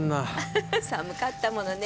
フフフ寒かったものね